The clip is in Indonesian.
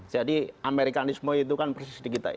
jadi amerikanismo itu kan persis di kita